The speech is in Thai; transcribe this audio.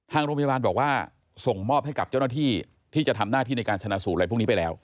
ทางโรงพยาบาลบอกว่าส่งมอบให้กับเจ้าหน้าที่ที่จะทำหน้าที่ในการชนะสูตรอะไรพวกนี้ไปแล้ว